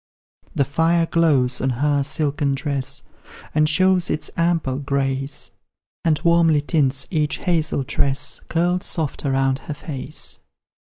The fire glows on her silken dress, And shows its ample grace, And warmly tints each hazel tress, Curled soft around her face.